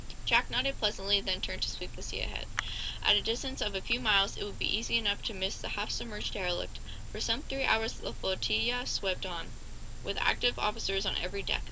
Jack nodded pleasantly, then turned to sweep the sea ahead. At a distance of a few miles it would be easy enough to miss the half submerged derelict. For some three hours the flotilla swept on, with active officers on every deck.